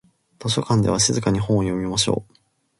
図書館では静かに本を読みましょう。